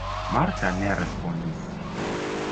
Marta ne respondis.